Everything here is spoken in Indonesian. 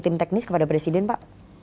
tim teknis kepada presiden pak